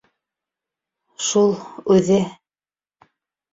...Шул, үҙе...